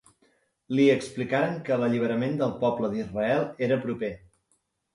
Li explicaren que l'alliberament del poble d'Israel era proper.